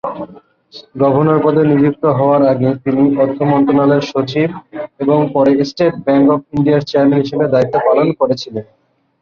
Governor পদে নিযুক্ত হওয়ার আগে তিনি অর্থ মন্ত্রণালয়ের সচিব এবং পরে স্টেট ব্যাঙ্ক অফ ইন্ডিয়ার চেয়ারম্যান হিসাবে দায়িত্ব পালন করেছিলেন।